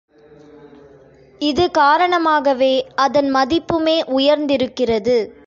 இது காரணமாகவே அதன் மதிப்புமே உயர்ந்திருக்கிறது.